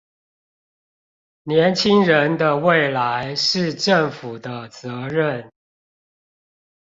年輕人的未來是政府的責任